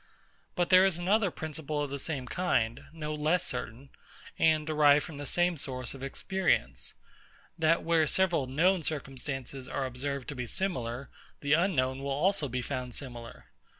But there is another principle of the same kind, no less certain, and derived from the same source of experience; that where several known circumstances are observed to be similar, the unknown will also be found similar.